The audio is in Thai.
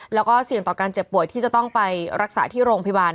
แล้วก็เสี่ยงต่อการเจ็บป่วยที่จะต้องไปรักษาที่โรงพยาบาล